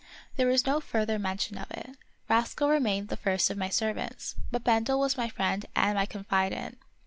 There was no further mention of it. Rascal remained the. first of my servants, but Bendel was my friend and my confidant.